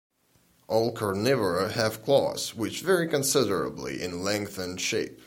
All Carnivora have claws, which vary considerably in length and shape.